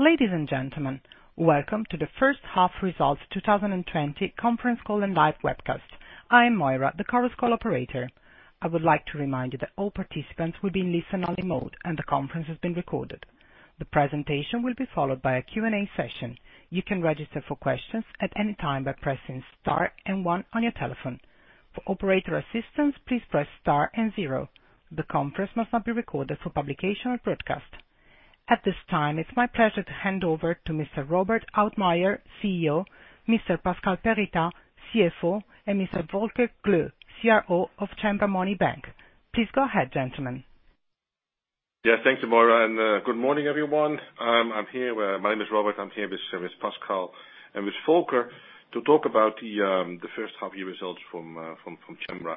Ladies and gentlemen, welcome to the first half results 2020 conference call and live webcast. I am Moira, the conference call operator. I would like to remind you that all participants will be in listen-only mode and the conference is being recorded. The presentation will be followed by a Q&A session. You can register for questions at any time by pressing star and one on your telephone. For operator assistance, please press star and zero. The conference must not be recorded for publication or broadcast. At this time, it's my pleasure to hand over to Mr. Robert Oudmayer, CEO, Mr. Pascal Perritaz, CFO, and Mr. Volker Gloe, CRO of Cembra Money Bank. Please go ahead, gentlemen. Yeah. Thank you, Moira, and good morning, everyone. My name is Robert. I'm here with Pascal and with Volker to talk about the first half year results from Cembra.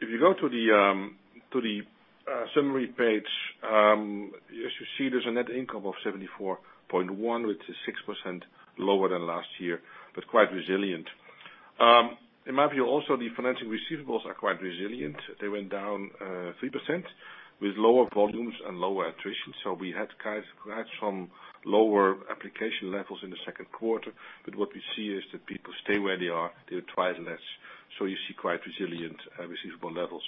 If you go to the summary page, as you see, there's a net income of 74.1, which is 6% lower than last year, but quite resilient. In my view, also, the financing receivables are quite resilient. They went down 3% with lower volumes and lower attrition. We had some lower application levels in the second quarter. What we see is that people stay where they are, they would try less. You see quite resilient receivable levels.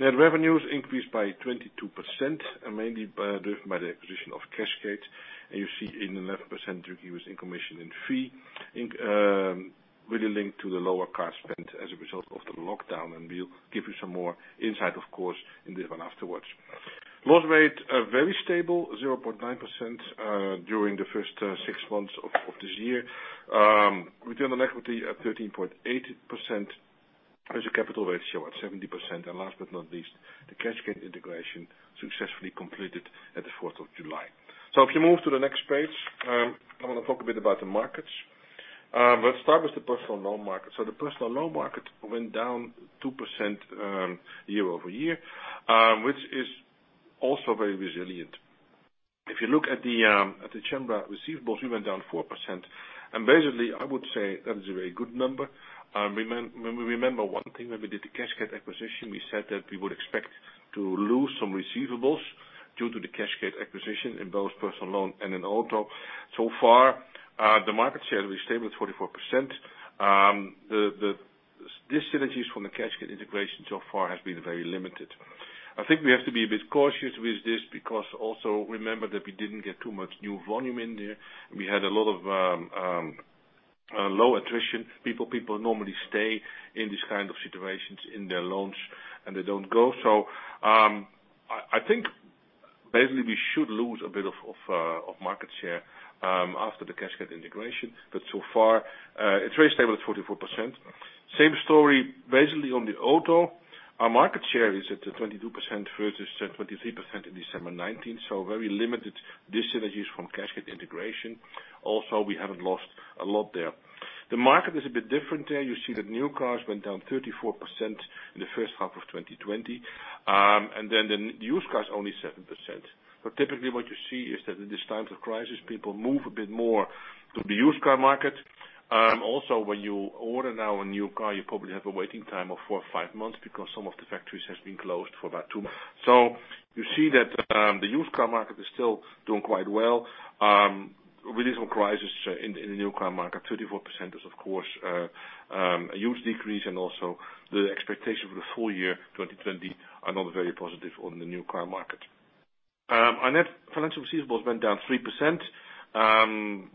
Net revenues increased by 22%, mainly driven by the acquisition of cashgate. You see an 11% decrease in commission and fee, really linked to the lower cost spent as a result of the lockdown. We'll give you some more insight, of course, in this one afterwards. Loss rate, very stable, 0.9% during the first six months of this year. Return on equity at 13.8%. Capital ratio at 70%. Last but not least, the cashgate integration successfully completed at the 4th of July. If you move to the next page, I want to talk a bit about the markets. We'll start with the Personal Loan market. The Personal Loan market went down 2% year-over-year, which is also very resilient. If you look at the Cembra receivables, we went down 4%. Basically, I would say that is a very good number. Remember one thing, when we did the cashgate acquisition, we said that we would expect to lose some receivables due to the cashgate acquisition in both Personal Loan and in auto. So far, the market share is stable at 44%. The dyssynergies from the cashgate integration so far has been very limited. I think we have to be a bit cautious with this because also remember that we didn't get too much new volume in there. We had a lot of low attrition. People normally stay in these kind of situations in their loans, and they don't go. I think basically we should lose a bit of market share after the cashgate integration. So far, it's very stable at 44%. Same story basically on the auto. Our market share is at the 22%, versus the 23% in December 2019, very limited dyssynergies from cashgate integration. Also, we haven't lost a lot there. The market is a bit different there. You see that new cars went down 34% in the first half of 2020. The used car is only 7%. Typically, what you see is that in this time of crisis, people move a bit more to the used car market. When you order now a new car, you probably have a waiting time of four or five months because some of the factories have been closed. You see that the used car market is still doing quite well with this crisis in the new car market. 34% is, of course, a huge decrease, and also the expectation for the full year 2020 are not very positive on the new car market. Our net financial receivables went down 3%.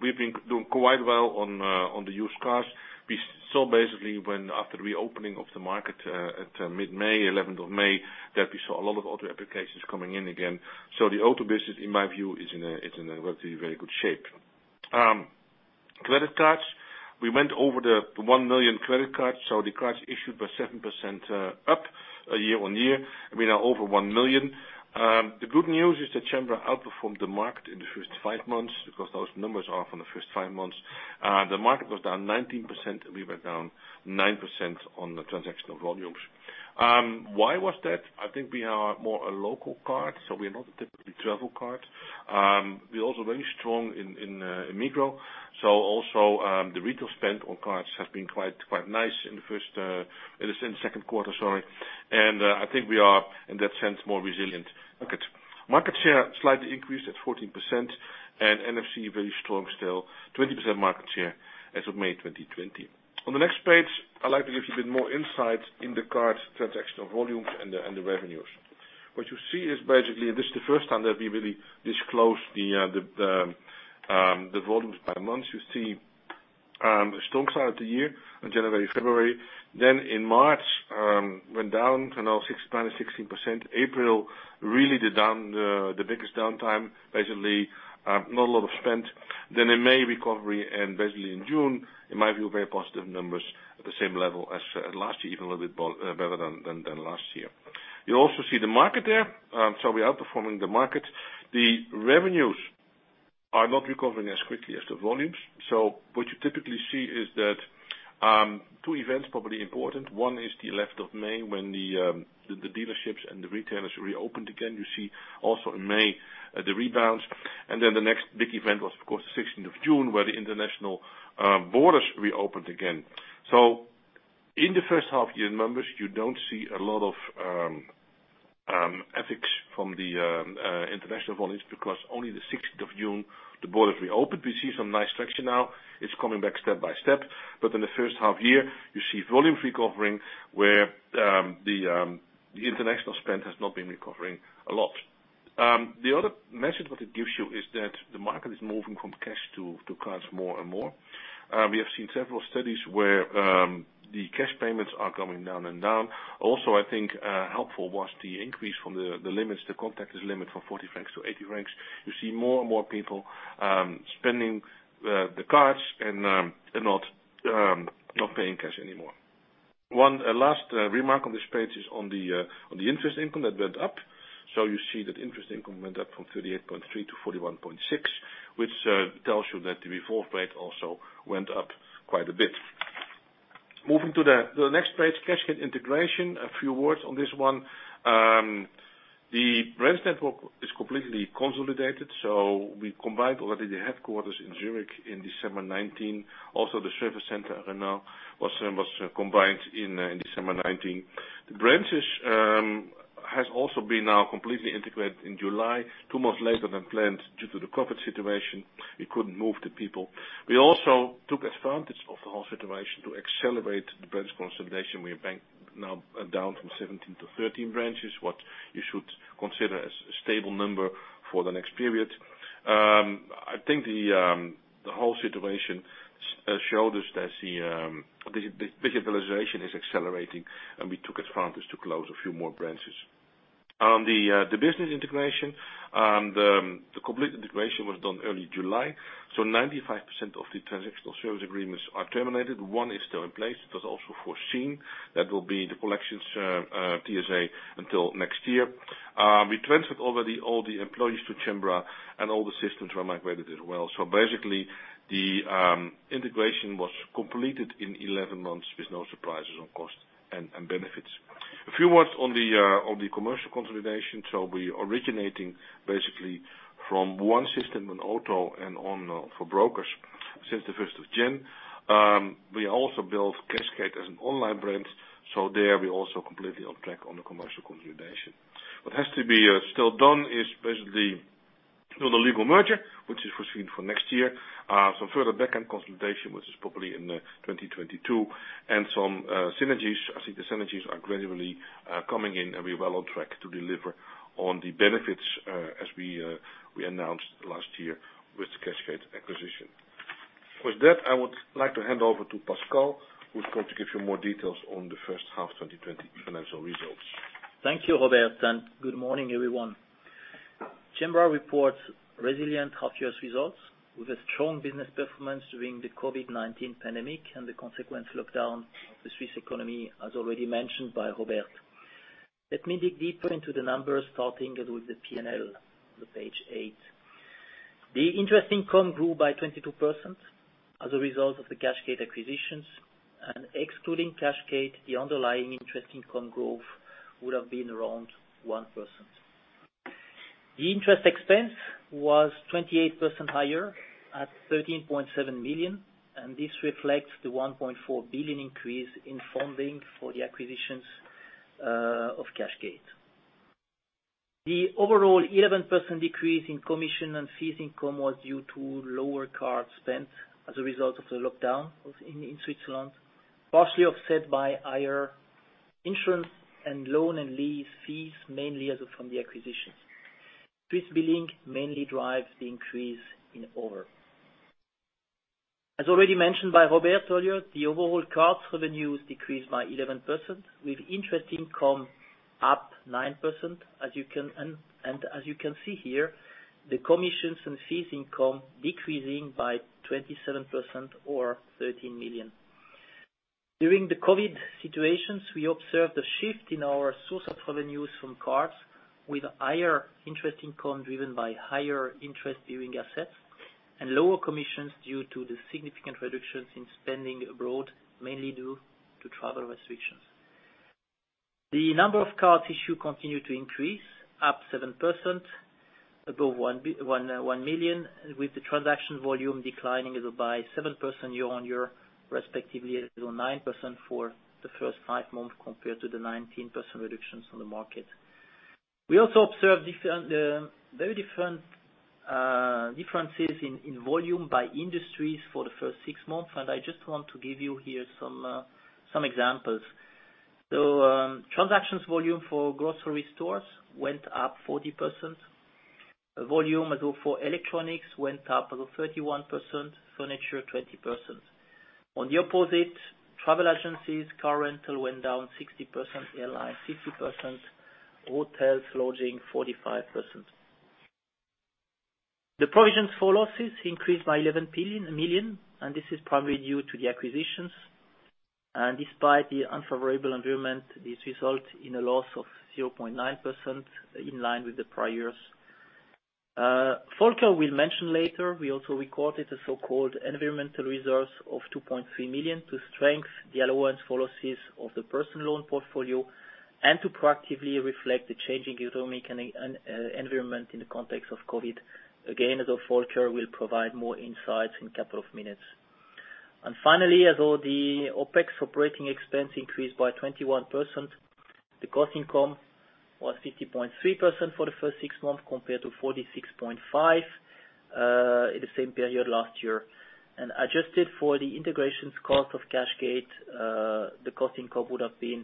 We've been doing quite well on the used cars. We saw basically when after reopening of the market at mid-May, 11th of May, that we saw a lot of auto applications coming in again. The auto business, in my view, is in a relatively very good shape. Credit cards, we went over the 1 million credit cards, the cards issued were 7% up year-over-year. We are now over 1 million. The good news is that Cembra outperformed the market in the first five months because those numbers are from the first five months. The market was down 19%, we were down 9% on the transactional volumes. Why was that? I think we are more a local card, we are not a typical travel card. We are also very strong in Migros. Also, the retail spend on cards has been quite nice in the second quarter. I think we are, in that sense, more resilient. Market share slightly increased at 14%, NFC, very strong still, 20% market share as of May 2020. On the next page, I'd like to give you a bit more insight in the card transactional volumes and the revenues. What you see is basically, this is the first time that we really disclose the volumes by month. You see a strong start of the year in January, February. In March, went down, -16%. April, really the biggest downtime, basically, not a lot of spend. In May, recovery, and basically in June, in my view, very positive numbers at the same level as last year, even a little bit better than last year. You also see the market there. We're outperforming the market. The revenues are not recovering as quickly as the volumes. What you typically see is that two events, probably important. One is the last of May when the dealerships and the retailers reopened again. You see also in May the rebounds. The next big event was, of course, the 16th of June, where the international borders reopened again. In the first half-year numbers, you don't see a lot of effects from the international volumes because only the 16th of June, the borders reopened. We see some nice traction now. It's coming back step by step, but in the first half-year, you see volumes recovering where the international spend has not been recovering a lot. The other message that it gives you is that the market is moving from cash to cards more and more. We have seen several studies where the cash payments are coming down and down. Also, I think helpful was the increase from the contactless limit from 40 francs to 80 francs. You see more and more people spending the cards and not paying cash anymore. One last remark on this page is on the interest income that went up. You see that interest income went up from 38.3 to 41.6, which tells you that the default rate also went up quite a bit. Moving to the next page, cashgate integration. A few words on this one. The branch network is completely consolidated; we combined already the headquarters in Zurich in December 2019. Also, the service center, Renens, was combined in December 2019. The branches have also been now completely integrated in July, two months later than planned due to the COVID-19 situation. We couldn't move the people. We also took advantage of the whole situation to accelerate the branch consolidation with BANK-now down from 17 to 13 branches, what you should consider as a stable number for the next period. I think the whole situation showed us that the digitalization is accelerating, and we took advantage to close a few more branches. The business integration, the complete integration was done early July, so 95% of the transactional service agreements are terminated. One is still in place. It was also foreseen. That will be the collections TSA until next year. We transferred already all the employees to Cembra, and all the systems were migrated as well. Basically, the integration was completed in 11 months with no surprises on cost and benefits. A few words on the commercial consolidation. We originating basically from one system on auto and for brokers since the 1st of January. We also built cashgate as an online brand, so there we're also completely on track on the commercial consolidation. What has to be still done is basically do the legal merger, which is foreseen for next year. Some further back-end consolidation, which is probably in 2022, and some synergies. I think the synergies are gradually coming in, and we're well on track to deliver on the benefits as we announced last year with the cashgate acquisition. With that, I would like to hand over to Pascal, who's going to give you more details on the first half 2020 financial results. Thank you, Robert, and good morning, everyone. Cembra reports resilient half-year results with a strong business performance during the COVID-19 pandemic and the consequent lockdown of the Swiss economy, as already mentioned by Robert. Let me dig deeper into the numbers, starting with the P&L on page eight. The interest income grew by 22% as a result of the cashgate acquisitions. Excluding cashgate, the underlying interest income growth would have been around 1%. The interest expense was 28% higher at 13.7 million. This reflects the 1.4 billion increase in funding for the acquisitions of cashgate. The overall 11% decrease in commission and fees income was due to lower card spend as a result of the lockdown in Switzerland, partially offset by higher insurance and loan and lease fees, mainly from the acquisitions. SWISSBILLING mainly drives the increase in overall. As already mentioned by Robert earlier, the overall card revenues decreased by 11%, with interest income up 9%. As you can see here, the commissions and fees income decreasing by 27% or 13 million. During the COVID-19 situations, we observed a shift in our source of revenues from cards, with higher interest income driven by higher interest-bearing assets and lower commissions due to the significant reductions in spending abroad, mainly due to travel restrictions. The number of cards issued continued to increase, up 7%, above 1 million, with the transaction volume declining by 7% year-on-year, respectively, or 9% for the first five months, compared to the 19% reductions on the market. We also observed differences in volume by industries for the first six months. I just want to give you here some examples. Transactions volume for grocery stores went up 40%. Volume for electronics went up 31%, furniture, 20%. On the opposite, travel agencies, car rental went down 60%, airline 60%, hotels, lodging, 45%. The provisions for losses increased by 11 million. This is primarily due to the acquisitions. Despite the unfavorable environment, this result in a loss of 0.9%, in line with the prior years. Volker will mention later, we also recorded a so-called environmental reserve of 2.3 million to strengthen the allowance for losses of the personal loan portfolio and to proactively reflect the changing economic environment in the context of COVID-19. Again, as Volker will provide more insights in a couple of minutes. Finally, although the OpEx operating expense increased by 21%, the cost income was 50.3% for the first six months compared to 46.5% in the same period last year. Adjusted for the integrations cost of cashgate, the cost income would have been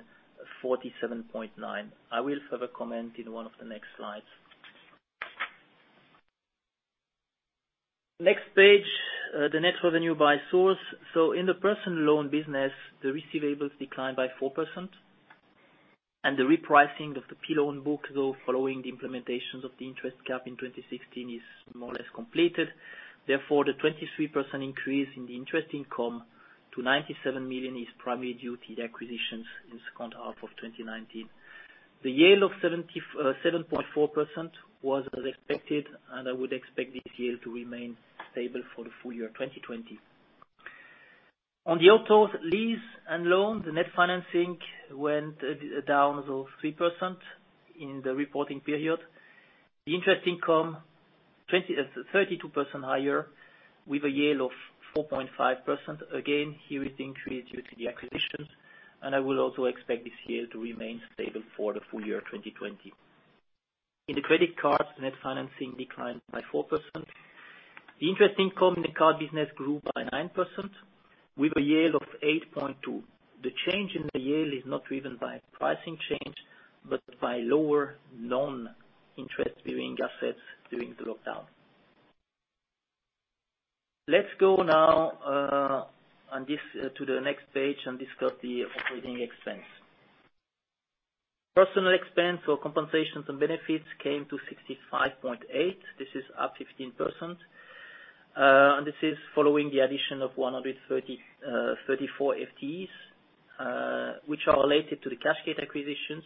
47.9%. I will further comment in one of the next slides. Next page, the net revenue by source. In the personal loan business, the receivables declined by 4%, and the repricing of the P loan book, though following the implementations of the interest cap in 2016, is more or less completed. Therefore, the 23% increase in the interest income to 97 million is primarily due to the acquisitions in the second half of 2019. The yield of 7.4% was as expected, and I would expect this yield to remain stable for the full year 2020. On the auto loans and leasing, the net financing went down to 3% in the reporting period. The interest income, 32% higher with a yield of 4.5%. Again, here is the increase due to the acquisitions. I would also expect this yield to remain stable for the full year 2020. In the credit cards, net financing declined by 4%. The interest income in the card business grew by 9% with a yield of 8.2%. The change in the yield is not driven by pricing change, but by lower non-interest bearing assets during the lockdown. Let's go now to the next page and discuss the operating expense. Personnel expense or compensations and benefits came to 65.8 million. This is up 15%. This is following the addition of 134 FTEs, which are related to the cashgate acquisitions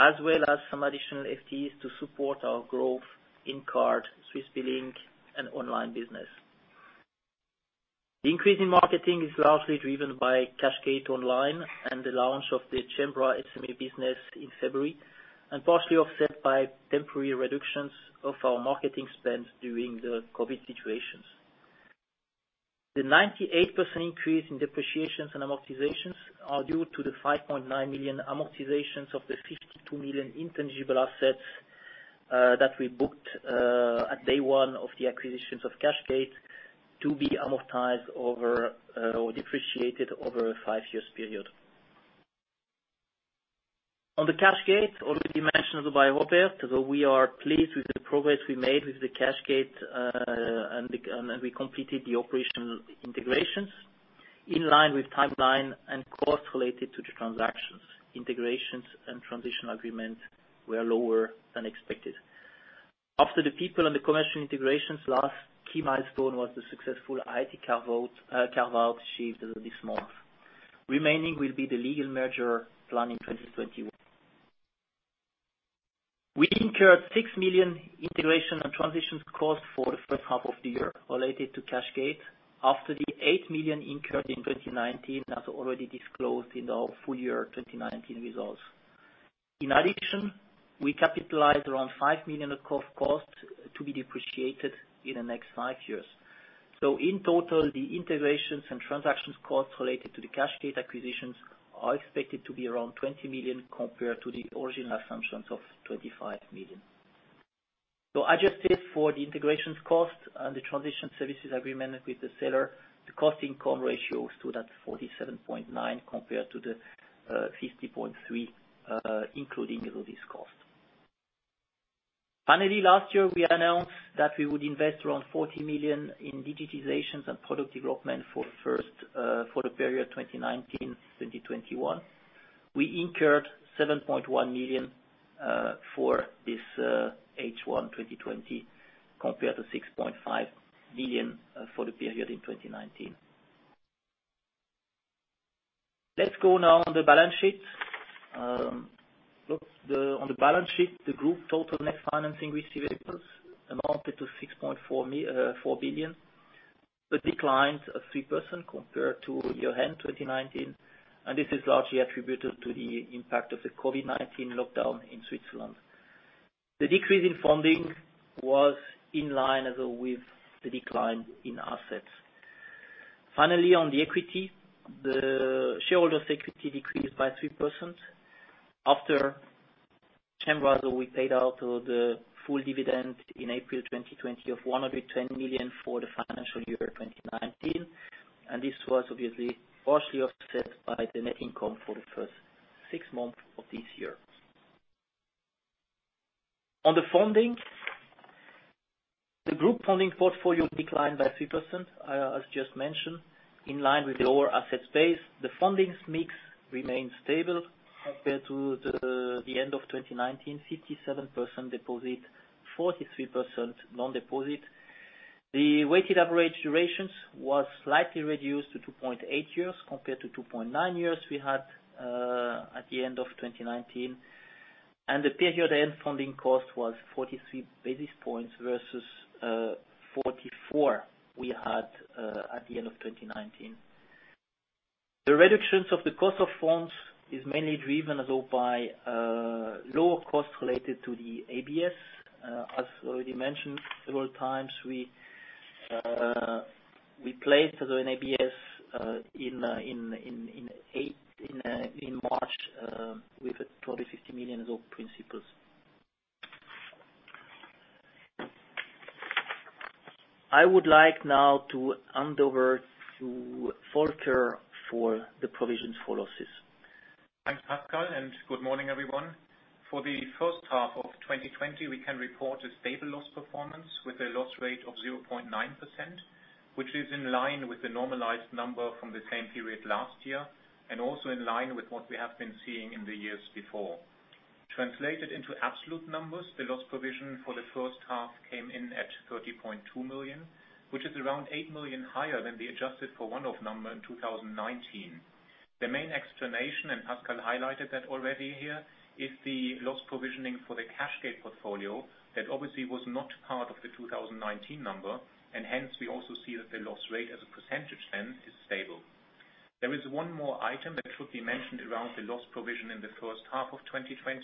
as well as some additional FTEs to support our growth in card, SWISSBILLING, and online business. The increase in marketing is largely driven by cashgate online and the launch of the Cembra SME business in February, partially offset by temporary reductions of our marketing spend during the COVID-19 situations. The 98% increase in depreciations and amortizations are due to the 5.9 million amortizations of the 52 million intangible assets that we booked at day one of the acquisitions of cashgate to be amortized over or depreciated over a five-year period. On the cashgate, already mentioned by Robert, though we are pleased with the progress we made with the cashgate, and we completed the operational integrations in line with timeline and cost related to the transactions. Integrations and transition agreement were lower than expected. After the people and the commercial integrations last key milestone was the successful IT carve-out achieved this month. Remaining will be the legal merger planned in 2021. We incurred 6 million integration and transitions cost for the first half of the year related to cashgate, after the 8 million incurred in 2019 as already disclosed in our full year 2019 results. We capitalized around 5 million of costs to be depreciated in the next five years. In total, the integrations and transactions costs related to the cashgate acquisitions are expected to be around 20 million compared to the original assumptions of 25 million. Adjusted for the integrations cost and the transition services agreement with the seller, the cost income ratio stood at 47.9% compared to the 50.3% including all these costs. Finally, last year, we announced that we would invest around 40 million in digitizations and product development for the period 2019 to 2021. We incurred 7.1 million for this H1 2020 compared to 6.5 million for the period in 2019. Let's go now on the balance sheet. On the balance sheet, the group total net financing receivables amounted to 6.4 billion. A decline of 3% compared to year end 2019. This is largely attributed to the impact of the COVID-19 lockdown in Switzerland. The decrease in funding was in line with the decline in assets. Finally, on the equity, the shareholders' equity decreased by 3% after Cembra paid out the full dividend in April 2020 of 120 million for the financial year 2019. This was obviously partially offset by the net income for the first six months of this year. On the funding, the group funding portfolio declined by 3%, as just mentioned, in line with the lower asset base. The funding mix remains stable compared to the end of 2019, 57% deposit, 43% non-deposit. The weighted average durations was slightly reduced to 2.8 years compared to 2.9 years we had at the end of 2019. The period end funding cost was 43 basis points versus 44 basis points we had at the end of 2019. The reductions of the cost of funds is mainly driven as though by lower costs related to the ABS. As already mentioned several times, we placed an ABS in March with CHF 250 million as of principals. I would like now to hand over to Volker for the provisions for losses. Thanks, Pascal. Good morning, everyone. For the first half of 2020, we can report a stable loss performance with a loss rate of 0.9%, which is in line with the normalized number from the same period last year, also in line with what we have been seeing in the years before. Translated into absolute numbers, the loss provision for the first half came in at 30.2 million, which is around 8 million higher than the adjusted for one-off number in 2019. The main explanation, Pascal highlighted that already here, is the loss provisioning for the cashgate portfolio that obviously was not part of the 2019 number, hence we also see that the loss rate as a percentage then is stable. There is one more item that should be mentioned around the loss provision in the first half of 2020.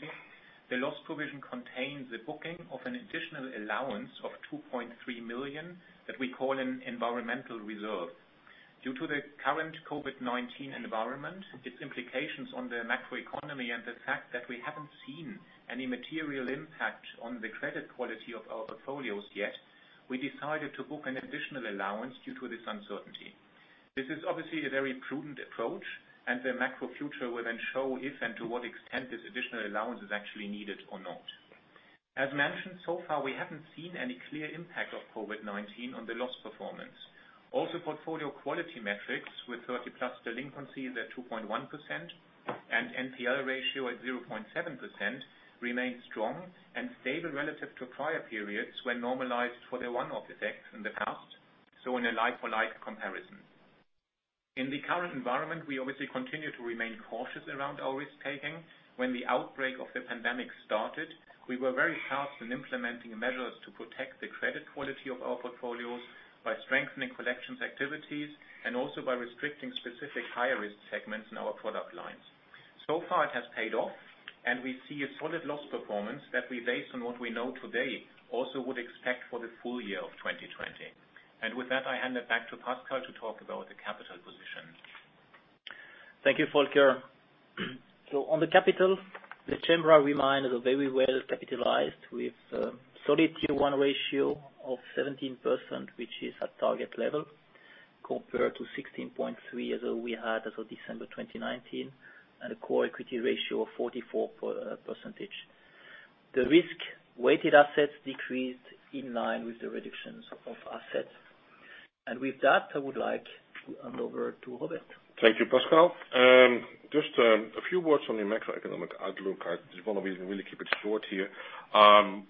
The loss provision contains the booking of an additional allowance of 2.3 million that we call an environmental reserve. Due to the current COVID-19 environment, its implications on the macroeconomy, and the fact that we haven't seen any material impact on the credit quality of our portfolios yet, we decided to book an additional allowance due to this uncertainty. This is obviously a very prudent approach, the macro future will then show if and to what extent this additional allowance is actually needed or not. As mentioned, so far, we haven't seen any clear impact of COVID-19 on the loss performance. Portfolio quality metrics with 30+ delinquencies at 2.1% and NPL ratio at 0.7% remain strong and stable relative to prior periods when normalized for the one-off effects in the past, so in a like-for-like comparison. In the current environment, we obviously continue to remain cautious around our risk-taking. When the outbreak of the pandemic started, we were very fast in implementing measures to protect the credit quality of our portfolios by strengthening collections activities and also by restricting specific higher risk segments in our product lines. So far it has paid off, and we see a solid loss performance that we, based on what we know today, also would expect for the full year of 2020. With that, I hand it back to Pascal to talk about the capital position. Thank you, Volker. On the capital, the Cembra remain as very well capitalized with a solid Tier 1 ratio of 17%, which is at target level compared to 16.3% as we had as of December 2019, and a core equity ratio of 44%. The risk-weighted assets decreased in line with the reductions of assets. With that, I would like to hand over to Robert. Thank you, Pascal. Just a few words on the macroeconomic outlook. I just want to really keep it short here.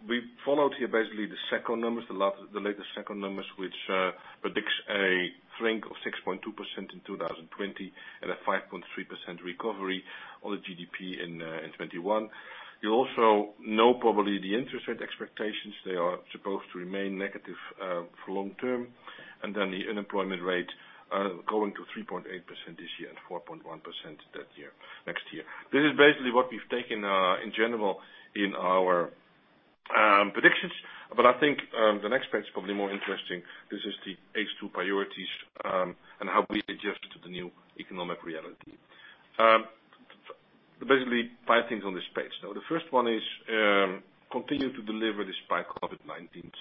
We followed here basically the second numbers, the latest second numbers, which predicts a shrink of 6.2% in 2020 and a 5.3% recovery on the GDP in 2021. You also know probably the interest rate expectations. They are supposed to remain negative for long term, and then the unemployment rate going to 3.8% this year and 4.1% next year. This is basically what we've taken in general in our predictions, but I think the next bit is probably more interesting. This is the H2 priorities, and how we adjust to the new economic reality. Basically, five things on this page. The first one is continue to deliver despite COVID-19.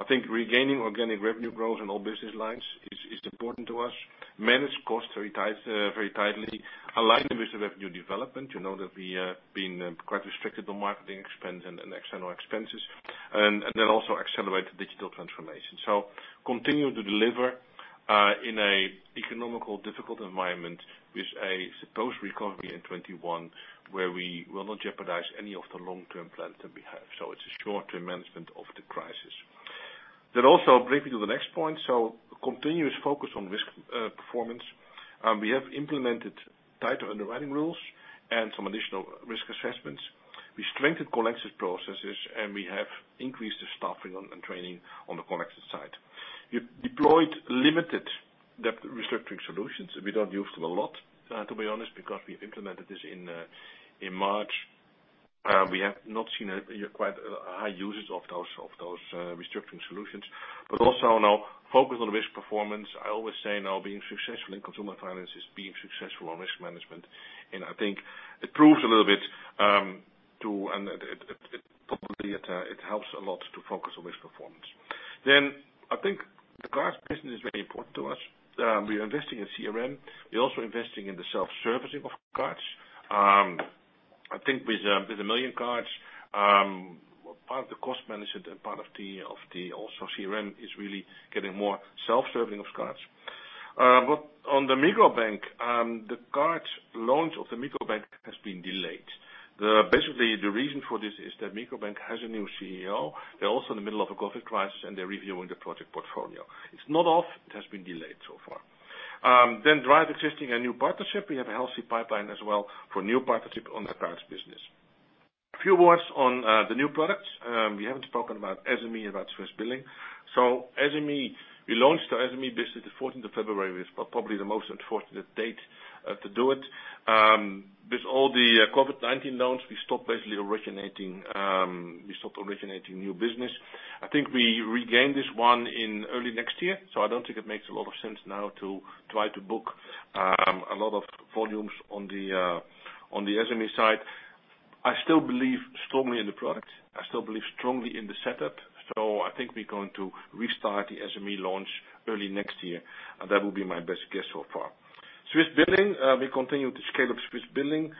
I think regaining organic revenue growth in all business lines is important to us. Manage costs very tightly aligned with the revenue development. You know that we have been quite restricted on marketing expense and external expenses. Accelerate digital transformation. Continue to deliver in an economically difficult environment with a supposed recovery in 2021 where we will not jeopardize any of the long-term plans that we have. It's a short-term management of the crisis. That also brings me to the next point, so continuous focus on risk performance. We have implemented tighter underwriting rules and some additional risk assessments. We strengthened collections processes, and we have increased the staffing and training on the collections side. We deployed limited debt restructuring solutions. We don't use them a lot, to be honest, because we've implemented this in March. We have not seen a quite high usage of those restructuring solutions. Now focus on risk performance. I always say now being successful in consumer finance is being successful on risk management, and I think it proves a little bit, and probably it helps a lot to focus on risk performance. I think the cards business is very important to us. We are investing in CRM. We're also investing in the self-servicing of cards. I think with 1 million cards, part of the cost management and part of also CRM is really getting more self-serving of cards. On the Migros Bank, the card launch of the Migros Bank has been delayed. Basically, the reason for this is that Migros Bank has a new CEO. They're also in the middle of a COVID-19 crisis, and they're reviewing the project portfolio. It's not off. It has been delayed so far. Drive existing and new partnership. We have a healthy pipeline as well for new partnership on the current business. A few words on the new products. We haven't spoken about SME and about SWISSBILLING. SME, we launched our SME business the 14th of February, was probably the most unfortunate date to do it. With all the COVID-19 loans, we stopped originating new business. I think we regain this one in early next year. I don't think it makes a lot of sense now to try to book a lot of volumes on the SME side. I still believe strongly in the product. I still believe strongly in the setup. I think we're going to restart the SME launch early next year. That will be my best guess so far. SWISSBILLING, we continue to scale up SWISSBILLING.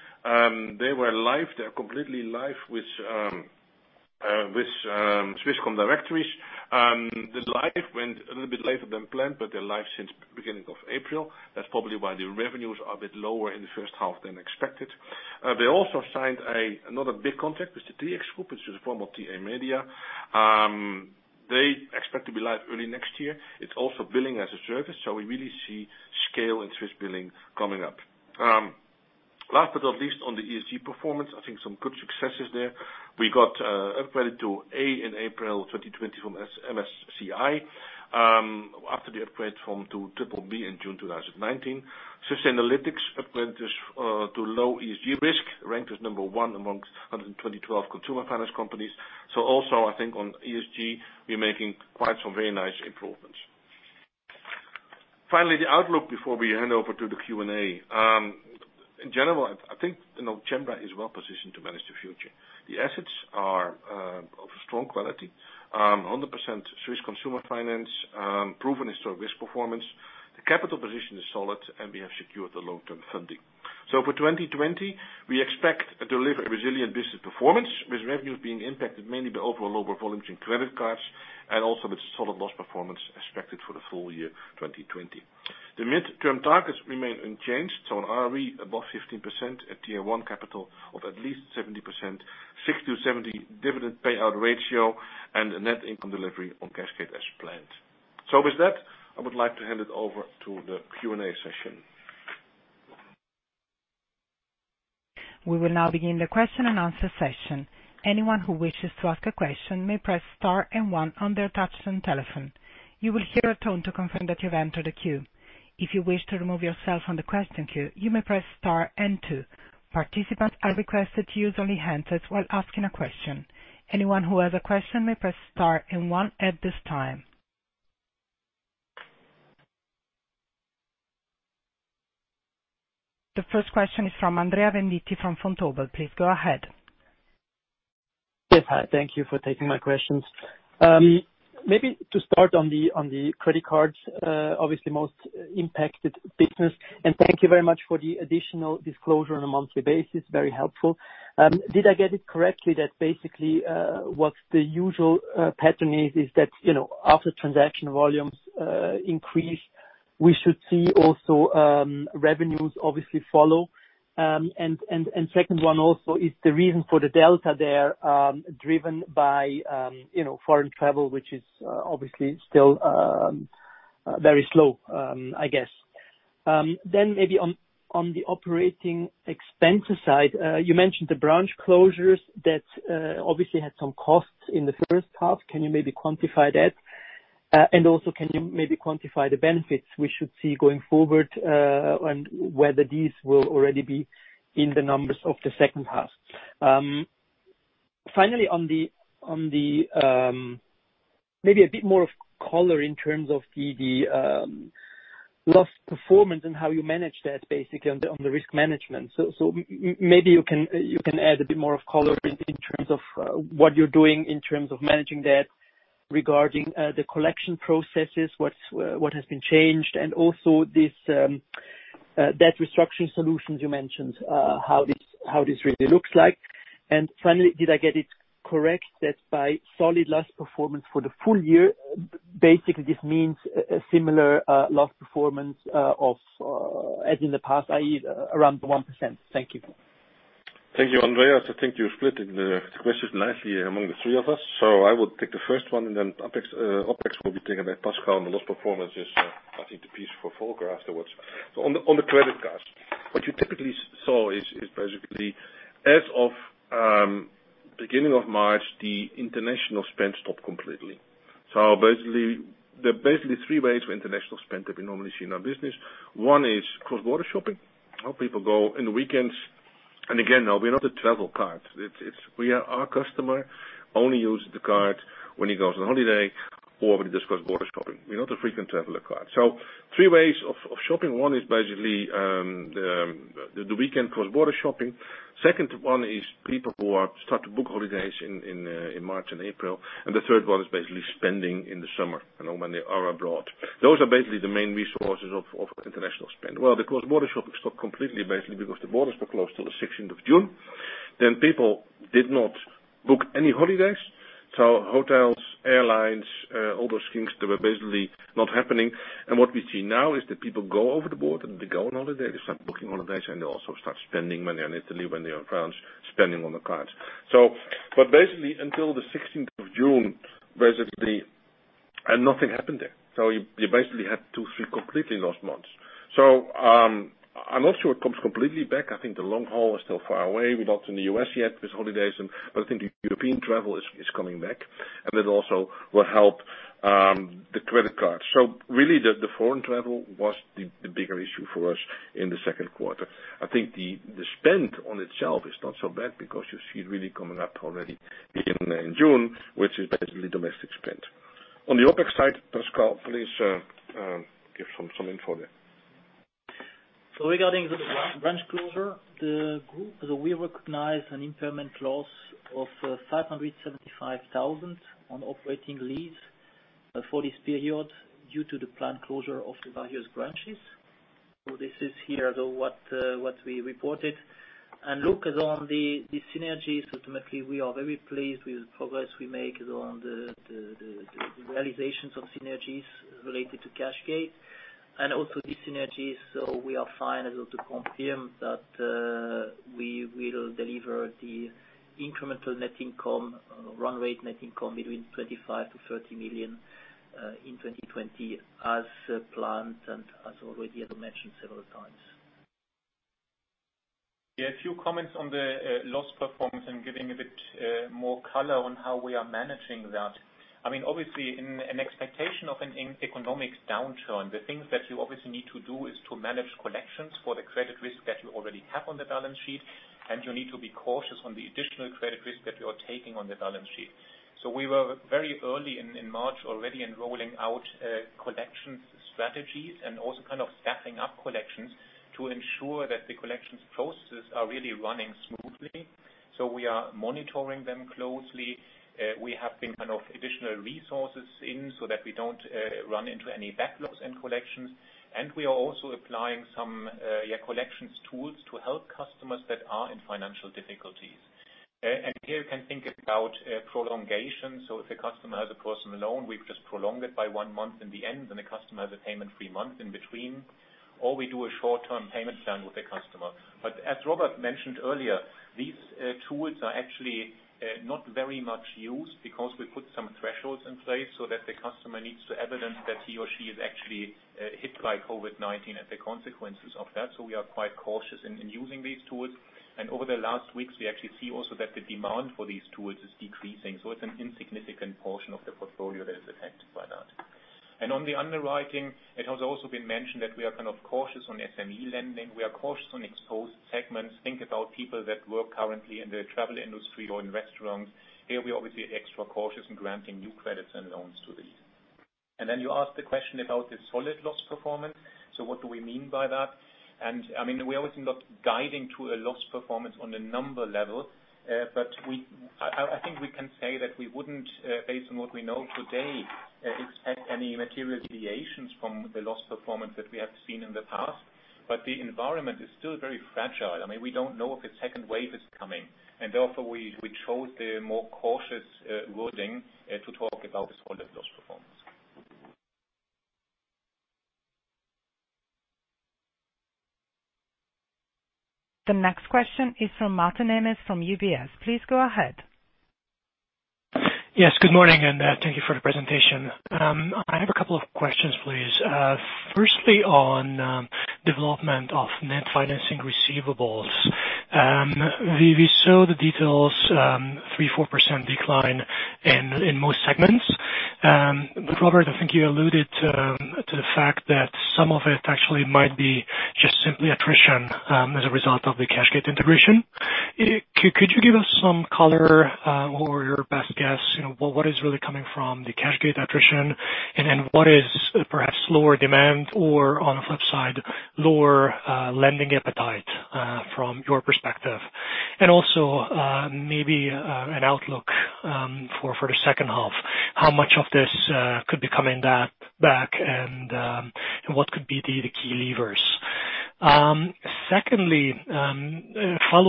They were live, they are completely live with Swisscom Directories. The live went a little bit later than planned, but they're live since beginning of April. That's probably why the revenues are a bit lower in the first half than expected. They also signed another big contract with the TX Group, which is a form of Tamedia. They expect to be live early next year. It's also billing as a service, so we really see scale in SWISSBILLING coming up. Last but not least, on the ESG performance, I think some good successes there. We got upgraded to A in April 2020 from MSCI, after the upgrade from to BBB in June 2019. Sustainalytics upgraded us to low ESG risk. Ranked as number one amongst 122 consumer finance companies. Also I think on ESG, we're making quite some very nice improvements. Finally, the outlook before we hand over to the Q&A. In general, I think Cembra is well positioned to manage the future. The assets are of a strong quality, 100% Swiss consumer finance, proven historic risk performance. The capital position is solid, and we have secured the long-term funding. For 2020, we expect to deliver a resilient business performance with revenues being impacted mainly by overall lower volumes in credit cards and also with solid loss performance expected for the full year 2020. The midterm targets remain unchanged, an ROE above 15%, a Tier 1 capital of at least 70%, 60%-70% dividend payout ratio, and a net income delivery on cashgate as planned. With that, I would like to hand it over to the Q&A session. We will now begin the question-and-answer session. Anyone who wishes to ask a question may press star and one on their touch-tone telephone. You will hear a tone to confirm that you've entered a queue. If you wish to remove yourself from the question queue, you may press star and two. Participants are requested to use only handsets while asking a question. Anyone who has a question may press star and one at this time. The first question is from Andreas Venditti from Vontobel. Please go ahead. Yes. Hi, thank you for taking my questions. Maybe to start on the credit cards, obviously most impacted business. Thank you very much for the additional disclosure on a monthly basis, very helpful. Did I get it correctly that basically, what the usual pattern is that, after transaction volumes increase, we should see also revenues obviously follow? Second one also, is the reason for the delta there driven by foreign travel, which is obviously still very slow, I guess. Maybe on the operating expenses side, you mentioned the branch closures that obviously had some costs in the first half. Can you maybe quantify that? Also can you maybe quantify the benefits we should see going forward, and whether these will already be in the numbers of the second half? Maybe a bit more of color in terms of the loss performance and how you manage that basically on the risk management. Maybe you can add a bit more of color in terms of what you're doing in terms of managing that regarding the collection processes, what has been changed, and also this debt restructuring solutions you mentioned, how this really looks like. Finally, did I get it correct that by solid loss performance for the full year, basically this means a similar loss performance as in the past, i.e., around 1%? Thank you. Thank you, Andreas. I think you're splitting the questions nicely among the three of us. I would take the first one, and then OpEx will be taken by Pascal, and the loss performance is, I think, the piece for Volker afterwards. On the credit cards, what you typically saw is basically as of beginning of March, the international spend stopped completely. There are basically three ways for international spend that we normally see in our business. One is cross-border shopping, how people go on the weekends. Again, now we're not a travel card. Our customer only use the card when he goes on holiday or when he does cross-border shopping. We're not a frequent traveler card. Three ways of shopping. One is basically the weekend cross-border shopping. Second one is people who start to book holidays in March and April. The third one is basically spending in the summer when they are abroad. Those are basically the main resources of international spend. Well, the cross-border shopping stopped completely, basically because the borders were closed till the 16th of June. People did not book any holidays, so hotels, airlines, all those things, they were basically not happening. What we see now is that people go on holiday, they start booking holidays, and they also start spending money in Italy, when they're in France, spending on the cards. Basically until the 16th of June, basically, nothing happened there. You basically had two, three completely lost months. I'm not sure it comes completely back. I think the long haul is still far away. We're not in the U.S. yet with holidays, but I think the European travel is coming back, and that also will help the credit cards. Really, the foreign travel was the bigger issue for us in the second quarter. I think the spend on itself is not so bad because you see it really coming up already in June, which is basically domestic spend. On the OpEx side, Pascal, please give some info there. Regarding the branch closure, the group, we recognize an impairment loss of 575,000 on operating lease for this period due to the planned closure of the various branches. This is here, though, what we reported. Look on the synergies, ultimately, we are very pleased with the progress we make on the realizations of synergies related to cashgate and also these synergies. We are fine as of to confirm that we will deliver the incremental net income, run rate net income between 25 million-30 million in 2020 as planned and as already mentioned several times. A few comments on the loss performance and giving a bit more color on how we are managing that. Obviously, in an expectation of an economic downturn, the things that you obviously need to do is to manage collections for the credit risk that you already have on the balance sheet, and you need to be cautious on the additional credit risk that you're taking on the balance sheet. We were very early in March already in rolling out collections strategies and also staffing up collections to ensure that the collections processes are really running smoothly. We are monitoring them closely. We have been additional resources in so that we don't run into any backlogs in collections. We are also applying some collections tools to help customers that are in financial difficulties. Here you can think about prolongation. If a customer has a personal loan, we've just prolonged it by one month in the end, and the customer has a payment-free month in between, or we do a short-term payment plan with the customer. As Robert mentioned earlier, these tools are actually not very much used because we put some thresholds in place so that the customer needs to evidence that he or she is actually hit by COVID-19 and the consequences of that. We are quite cautious in using these tools. Over the last weeks, we actually see also that the demand for these tools is decreasing. It's an insignificant portion of the portfolio that is affected by that. On the underwriting, it has also been mentioned that we are cautious on SME lending. We are cautious on exposed segments. Think about people that work currently in the travel industry or in restaurants. Here we're obviously extra cautious in granting new credits and loans to these. Then you asked the question about the solid loss performance. What do we mean by that? We're always not guiding to a loss performance on a number level, but I think we can say that we wouldn't, based on what we know today, expect any material deviations from the loss performance that we have seen in the past. The environment is still very fragile. We don't know if a second wave is coming, and therefore we chose the more cautious wording to talk about the solid loss performance. The next question is from Martin Emnett from UBS. Please go ahead. Yes, good morning, and thank you for the presentation. I have a couple of questions, please. Firstly, on development of net financing receivables. We saw the details, 3%, 4% decline in most segments. Robert, I think you alluded to the fact that some of it actually might be just simply attrition as a result of the cashgate integration. Could you give us some color or your best guess, what is really coming from the cashgate attrition, and then what is perhaps lower demand or on the flip side, lower lending appetite from your perspective? Also, maybe an outlook for the second half. How much of this could be coming back and what could be the key levers? Follow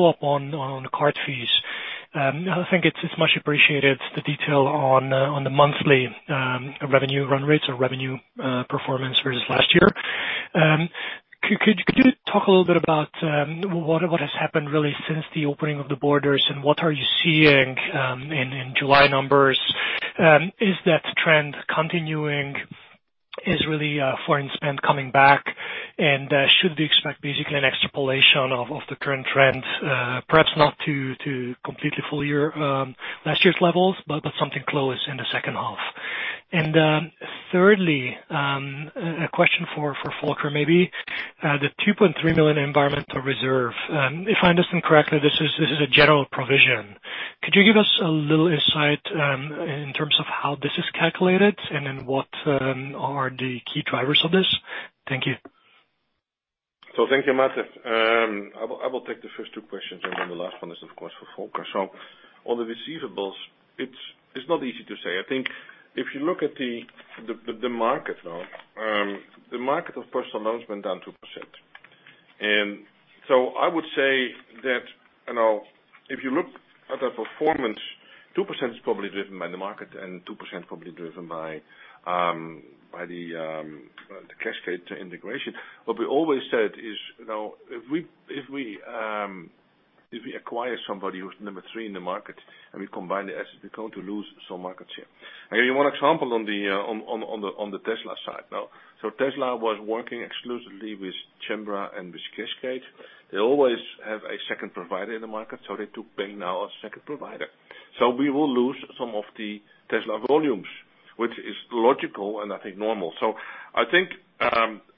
up on the card fees. I think it's much appreciated, the detail on the monthly revenue run rates or revenue performance versus last year. Could you talk a little bit about what has happened really since the opening of the borders and what are you seeing in July numbers? Is that trend continuing? Is really foreign spend coming back? Should we expect basically an extrapolation of the current trend perhaps not to completely full year last year's levels, but something close in the second half? Thirdly, a question for Volker, maybe. The 2.3 million environmental reserve. If I understand correctly, this is a general provision. Could you give us a little insight in terms of how this is calculated and then what are the key drivers of this? Thank you. Thank you, Martin. I will take the first two questions, and then the last one is, of course, for Volker. On the receivables, it's not easy to say. I think if you look at the market now, the market of personal loans went down 2%. I would say that if you look at our performance, 2% is probably driven by the market and 2% probably driven by the cashgate integration. What we always said is, if we acquire somebody who's number three in the market, and we combine the assets, we're going to lose some market share. I give you one example on the Tesla side now. Tesla was working exclusively with Cembra and with cashgate. They always have a second provider in the market, they took Ping now as second provider. We will lose some of the Tesla volumes, which is logical, and I think normal. I think,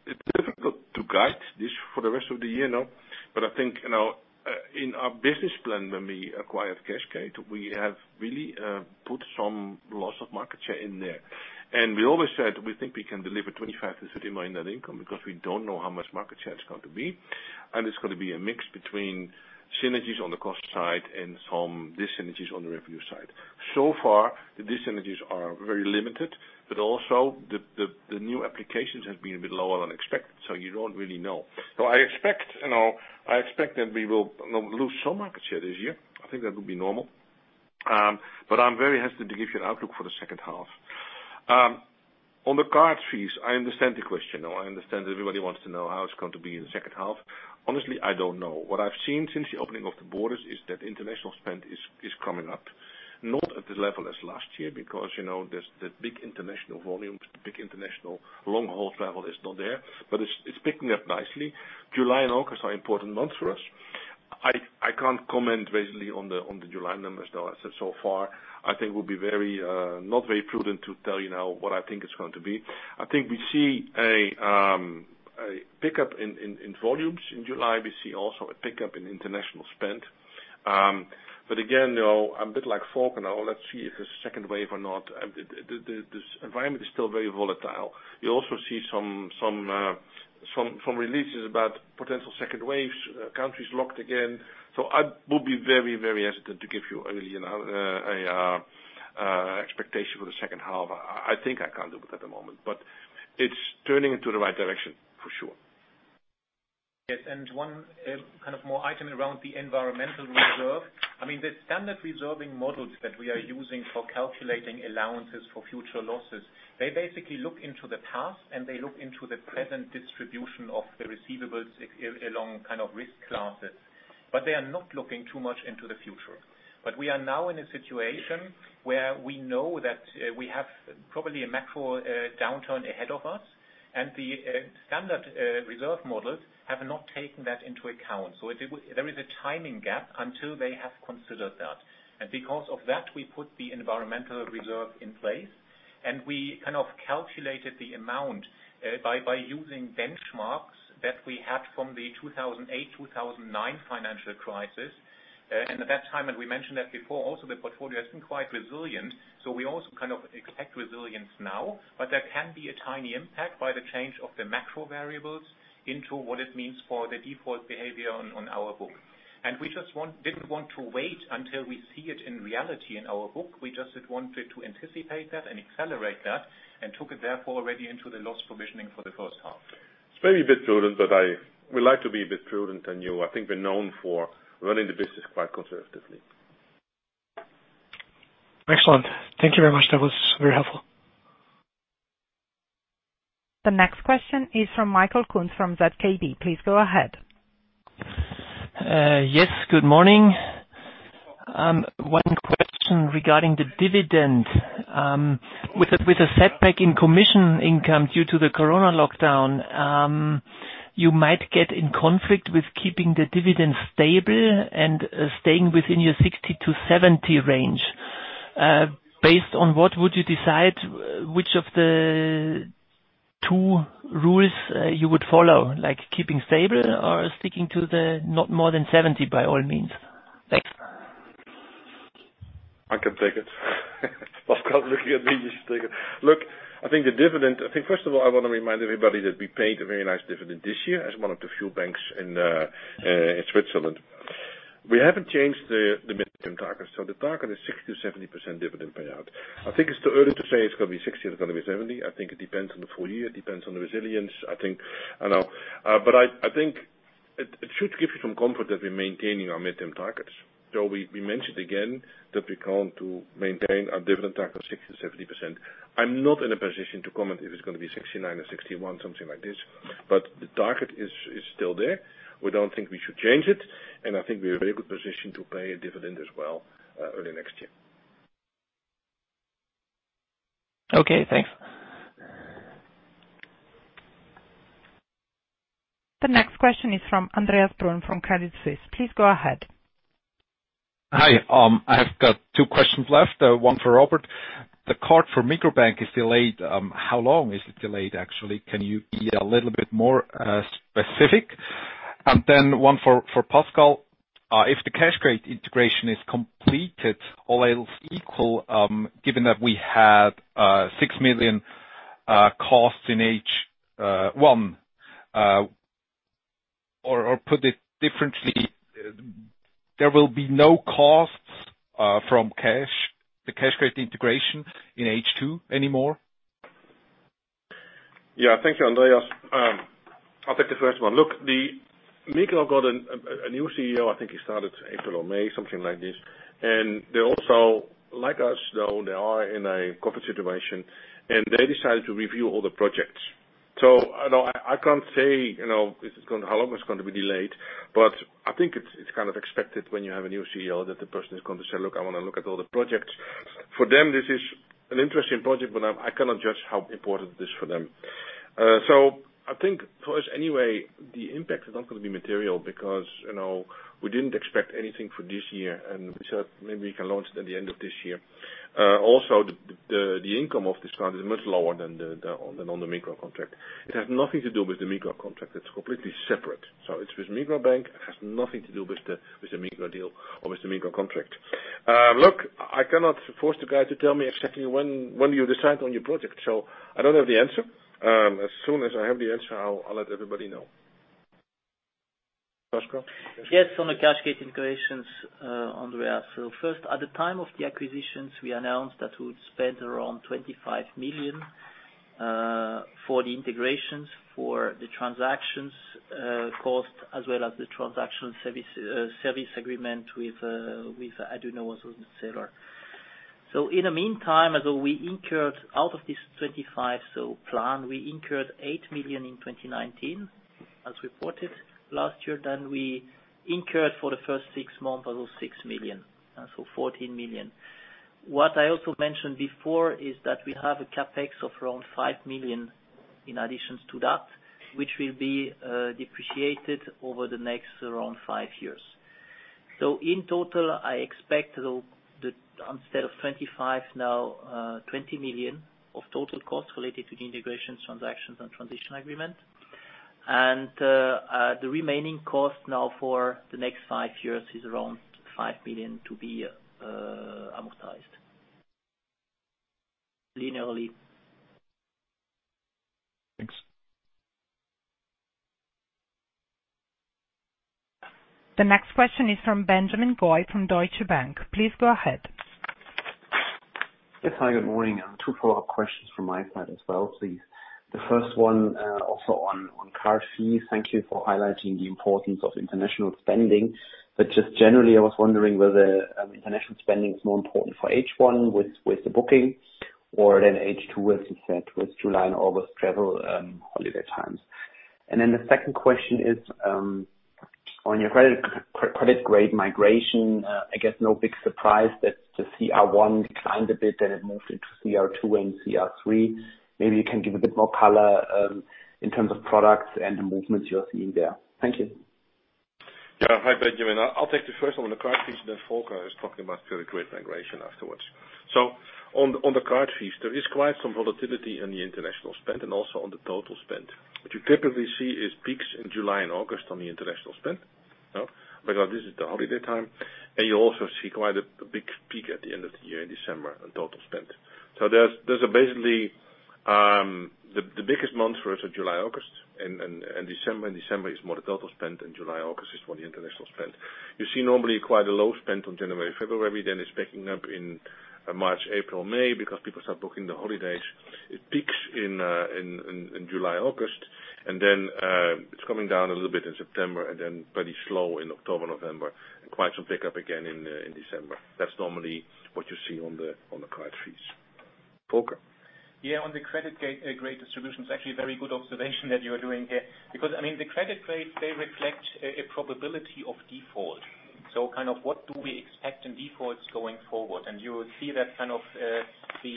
it's difficult to guide this for the rest of the year now, but I think in our business plan, when we acquired cashgate, we have really put some loss of market share in there. We always said we think we can deliver 25 million-30 million net income because we don't know how much market share it's going to be, and it's going to be a mix between synergies on the cost side and some dyssynergies on the revenue side. So far, the dyssynergies are very limited, but also the new applications have been a bit lower than expected, so you don't really know. I expect that we will lose some market share this year. I think that would be normal. I'm very hesitant to give you an outlook for the second half. On the card fees, I understand the question. I understand everybody wants to know how it's going to be in the second half. Honestly, I don't know. What I've seen since the opening of the borders is that international spend is coming up. Not at the level as last year because the big international volume, the big international long-haul travel is not there, but it's picking up nicely. July and August are important months for us. I can't comment basically on the July numbers, though. As I said, so far, I think it would be not very prudent to tell you now what I think it's going to be. I think we see a pickup in volumes in July. We see also a pickup in international spend. Again, a bit like Volker, now let's see if it's a second wave or not. The environment is still very volatile. You also see some releases about potential second waves, countries locked again. I will be very hesitant to give you an early expectation for the second half. I think I can't do it at the moment, but it's turning into the right direction for sure. Yes. One more item around the environmental reserve. The standard reserving models that we are using for calculating allowances for future losses, they basically look into the past and they look into the present distribution of the receivables along risk classes. They are not looking too much into the future. We are now in a situation where we know that we have probably a macro downturn ahead of us, and the standard reserve models have not taken that into account. There is a timing gap until they have considered that. Because of that, we put the environmental reserve in place, and we calculated the amount by using benchmarks that we had from the 2008, 2009 financial crisis. At that time, and we mentioned that before, also the portfolio has been quite resilient, so we also expect resilience now. There can be a tiny impact by the change of the macro variables into what it means for the default behavior on our book. We just didn't want to wait until we see it in reality in our book. We just had wanted to anticipate that and accelerate that and took it therefore already into the loss provisioning for the first half. It's maybe a bit prudent, but we like to be a bit prudent, and I think we're known for running the business quite conservatively. Excellent. Thank you very much. That was very helpful. The next question is from Michael Kunz from ZKB. Please go ahead. Yes, good morning. One question regarding the dividend. With the setback in commission income due to the coronavirus lockdown, you might get in conflict with keeping the dividend stable and staying within your 60%-70% range. Based on what would you decide which of the two rules you would follow, keeping stable or sticking to the not more than 70% by all means? Thanks. I can take it. Pascal looking at me, You should take it. Look, I think first of all, I want to remind everybody that we paid a very nice dividend this year as one of the few banks in Switzerland. We haven't changed the midterm target, so the target is 60%-70% dividend payout. I think it's too early to say it's going to be 60% or it's going to be 70%. I think it depends on the full year, it depends on the resilience. I think it should give you some comfort that we're maintaining our midterm targets. We mentioned again that we count to maintain our dividend target of 60%-70%. I'm not in a position to comment if it's going to be 69% or 71%, something like this. The target is still there. We don't think we should change it. I think we're in a very good position to pay a dividend as well early next year. Okay, thanks. The next question is from Andreas Brun from Credit Suisse. Please go ahead. Hi. I have got two questions left, one for Robert. The card for Migros Bank is delayed. How long is it delayed, actually? Can you be a little bit more specific? One for Pascal. If the cashgate integration is completed all else equal, given that we had 6 million costs in H1, or put it differently. There will be no costs from the cashgate integration in H2 anymore? Yeah. Thank you, Andreas. I'll take the first one. Look, the Migros got a new CEO, I think he started April or May, something like this. They also, like us, though, they are in a COVID situation, and they decided to review all the projects. I know I can't say how long it's going to be delayed, but I think it's kind of expected when you have a new CEO, that the person is going to say, Look, I want to look at all the projects. For them, this is an interesting project, but I cannot judge how important it is for them. I think for us anyway, the impact is not going to be material because we didn't expect anything for this year, and we said maybe we can launch it at the end of this year. The income of this contract is much lower than on the Migros contract. It has nothing to do with the Migros contract. It's completely separate. It's with Migros Bank. It has nothing to do with the Migros deal or with the Migros contract. I cannot force the guy to tell me exactly when you decide on your project, I don't have the answer. As soon as I have the answer, I'll let everybody know. Pascal? Yes, on the cashgate integrations, Andreas. First, at the time of the acquisitions, we announced that we would spend around 25 million for the integrations, for the transactions cost, as well as the transaction service agreement with, I don't know what's the seller. In the meantime, as we incurred out of this 25 plan, we incurred 8 million in 2019 as reported last year. We incurred for the first six months of those 6 million, and 14 million. What I also mentioned before is that we have a CapEx of around 5 million in addition to that, which will be depreciated over the next around five years. In total, I expect instead of 25 million now, 20 million of total costs related to the integrations, transactions, and transition agreement. The remaining cost now for the next five years is around 5 million to be amortized linearly. Thanks. The next question is from Benjamin Goy from Deutsche Bank. Please go ahead. Yes, hi. Good morning. Two follow-up questions from my side as well, please. The first one, also on card fees. Thank you for highlighting the importance of international spending. Just generally, I was wondering whether international spending is more important for H1 with the booking or H2, as you said, with July and August travel holiday times. The second question is on your credit grade migration. I guess no big surprise that the CR1 declined a bit, and it moved into CR2 and CR3. Maybe you can give a bit more color in terms of products and the movements you're seeing there. Thank you. Hi, Benjamin. I'll take the first one on the card fees, then Volker is talking about credit grade migration afterwards. On the card fees, there is quite some volatility in the international spend and also on the total spend. What you typically see is peaks in July and August on the international spend because this is the holiday time, and you also see quite a big peak at the end of the year in December on total spend. Those are basically the biggest months for us are July, August, and December. December is more the total spend, and July, August is more the international spend. You see normally quite a low spend on January, February, then it's picking up in March, April, May because people start booking the holidays. It peaks in July, August. It's coming down a little bit in September. It's pretty slow in October, November. There's quite some pickup again in December. That's normally what you see on the card fees. Volker. On the credit grade distribution, it's actually a very good observation that you're doing here because, I mean, the credit grades, they reflect a probability of default. What do we expect in defaults going forward? You will see that kind of the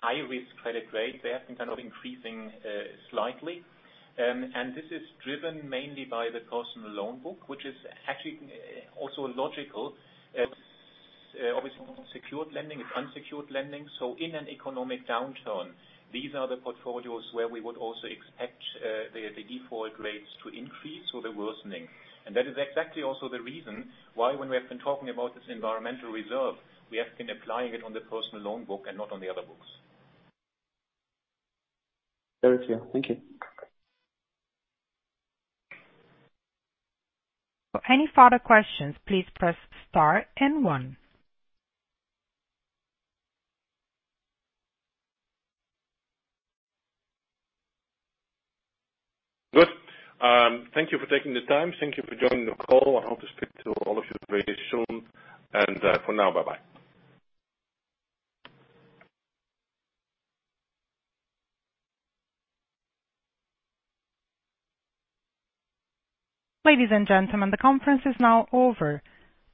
high-risk credit grade, they have been kind of increasing slightly. This is driven mainly by the personal loan book, which is actually also logical. Obviously, secured lending is unsecured lending, so in an economic downturn, these are the portfolios where we would also expect the default rates to increase or they're worsening. That is exactly also the reason why when we have been talking about this environmental reserve, we have been applying it on the personal loan book and not on the other books. Very clear. Thank you. For any further questions, please press star and one. Good. Thank you for taking the time. Thank you for joining the call. I hope to speak to all of you very soon. For now, bye-bye. Ladies and gentlemen, the conference is now over.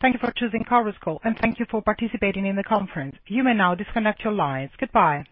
Thank you for choosing Chorus Call, and thank you for participating in the conference. You may now disconnect your lines. Goodbye.